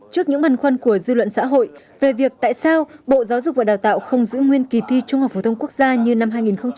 trước những băn khoăn của dư luận xã hội về việc tại sao bộ giáo dục và đào tạo không giữ nguyên kỳ thi trung học phổ thông quốc gia như năm hai nghìn một mươi tám